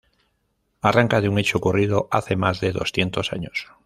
Arranca de un hecho ocurrido hace más de doscientos años.